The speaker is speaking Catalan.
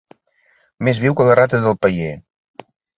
Més viu que les rates del paller.